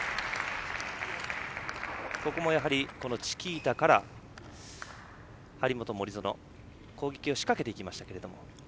ここもやはりチキータから張本、森薗攻撃を仕掛けていきましたけど。